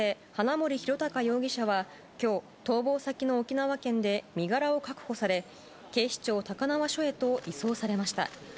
森弘卓容疑者は今日、逃亡先の沖縄県で身柄を確保され警視庁高輪署へと移送されました。